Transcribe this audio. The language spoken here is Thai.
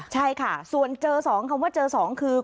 ใช่ค่ะส่วนเจอ๒คำว่าเจอ๒คือ